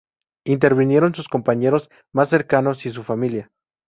intervinieron sus compañeros mas cercanos y su familia